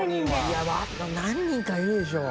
いや何人かいるでしょう？